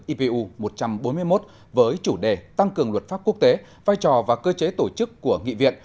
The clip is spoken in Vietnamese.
ipu một trăm bốn mươi một với chủ đề tăng cường luật pháp quốc tế vai trò và cơ chế tổ chức của nghị viện